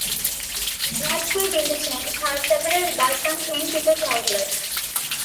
Bradford Interchange has separate bus and train ticket outlets.